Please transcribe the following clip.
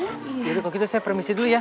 ya udah kok gitu saya permisi dulu ya